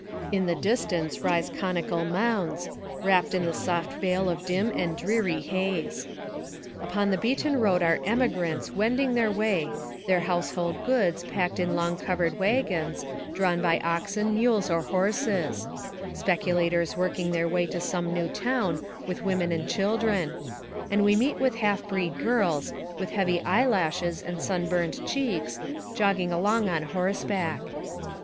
1.6 NAKKATIVE OF CAPTIVITY In the distance rise conical mounds, wrapped in the soft veil of dim and dreamy haze. Upon the beaten road are emigrants wending their way, their household goods packed in long covered wagons, drawn by oxen, mules, or horses; speculators working their way to some new town with women and children; and we meet with half breed girls, with heavy eye lashes and sun burnt cheeks, jogging along on horseback.